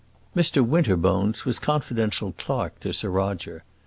Mr Winterbones was confidential clerk to Sir Roger.